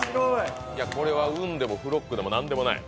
これは運でもブロックでも何でもない。